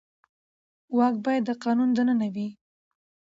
واک باید د قانون دننه وي